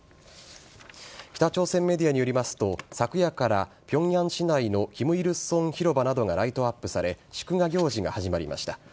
北朝鮮メディアによりますと昨夜から平壌市内の金日成広場などがライトアップされ祝賀行事が始まりました。